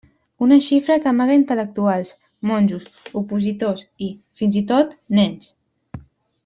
Una xifra que amaga intel·lectuals, monjos, opositors i, fins i tot, nens.